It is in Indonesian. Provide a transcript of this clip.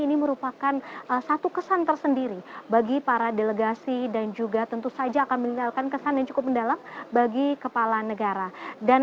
ini merupakan satu kesan tersendiri bagi para delegasi dan juga tentu saja akan meninggalkan kesan yang cukup mendalam bagi kepala negara